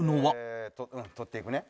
取っていくね。